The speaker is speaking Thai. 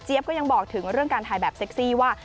ก็ยังบอกถึงเรื่องการถ่ายแบบเซ็กซี่ว่า